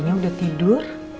kayaknya udah tidur